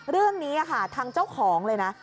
เรื่องนี้ค่ะทางเจ้าของเลยนะ